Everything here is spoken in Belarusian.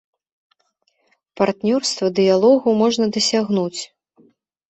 Партнёрства, дыялогу можна дасягнуць.